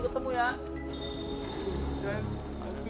wacongnya tangkap lah pak gito